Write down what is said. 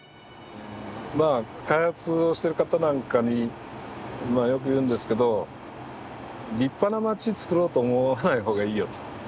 まあ開発をしてる方なんかによく言うんですけど立派な街つくろうと思わない方がいいよと。